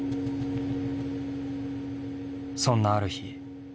そんなある日。